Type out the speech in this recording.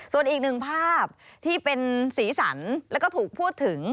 ส่วนอีกหนึ่งภาพที่เป็นสีสันแล้วก็ถูกพูดถึง